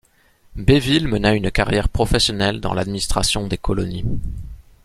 Béville mena une carrière professionnelle dans l'administration des colonies.